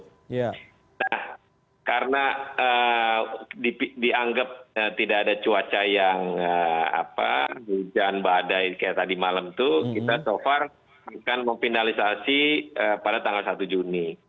nah karena dianggap tidak ada cuaca yang hujan badai kayak tadi malam itu kita so far akan memfinalisasi pada tanggal satu juni